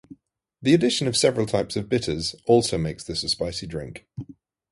The addition of several types of bitters also makes this a spicy drink.